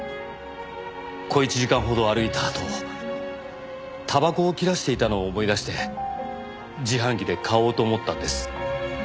小一時間ほど歩いたあとたばこを切らしていたのを思い出して自販機で買おうと思ったんです。